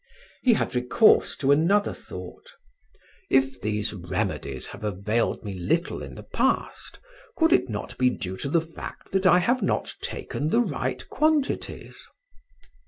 He had recourse to another thought: "If these remedies have availed me little in the past, could it not be due to the fact that I have not taken the right quantities?"